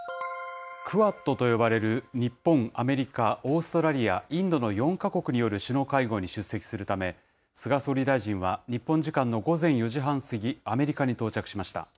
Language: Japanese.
クアッドと呼ばれる日本、アメリカ、オーストラリア、インドの４か国による首脳会合に出席するため、菅総理大臣は日本時間の午前４時半過ぎ、アメリカに到着しました。